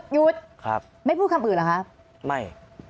หยุดครับไม่พูดคำอื่นเหรอคะไม่